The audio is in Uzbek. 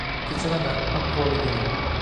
Kechiraman anqovligini.